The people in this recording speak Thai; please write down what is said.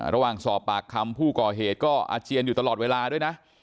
ระหว่างสอบปากคำผู้ก่อเหตุก็อาเจียนอยู่ตลอดเวลาด้วยนะ